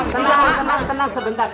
tenang tenang sebentar